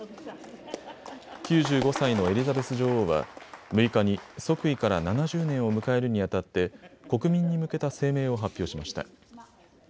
９５歳のエリザベス女王は６日に即位から７０年を迎えるにあたって国民に向けた声明を発表しました。